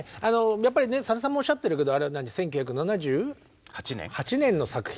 やっぱりさださんもおっしゃってるけどあれは１９７８年の作品だ。